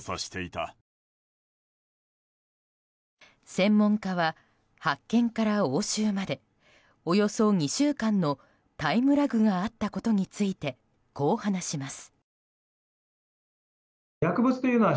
専門家は発見から押収までおよそ２週間のタイムラグがあったことについてこう話します。